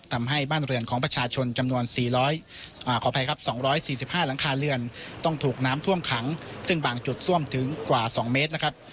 ทำให้บ้านเรือนของประชาชนจำนวนขออภัยครับ๒๔๕หลังคาเรือนต้องถูกน้ำท่วมขังซึ่งบางจุดซ่วมถึงกว่า๒เมตรนะครับ